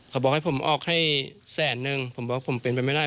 เขาบอกให้ผมออกให้แสนนึงผมบอกผมเป็นไปไม่ได้